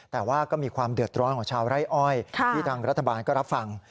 แต่ว่าก็มีความเดือดร้อนของชาวไร่อ้อยที่ทางรัฐบาลก็รับฟัง